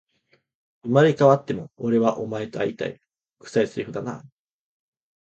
生まれ変わっても、俺はお前と出会いたい